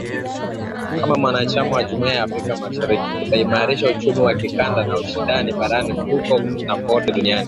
Kama mwanachama wa Jumuiya ya Afrika Mashariki kutaimarisha uchumi wa kikanda na ushindani barani huko na kote duniani